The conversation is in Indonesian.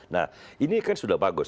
nah ini kan sudah bagus